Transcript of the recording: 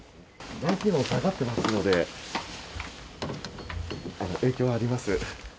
外気温が下がってますので、影響はあります。